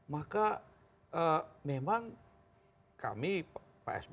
maka memang kami pasby dengan pak sby